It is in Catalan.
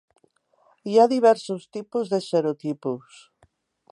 Hi ha diversos tipus de serotipus.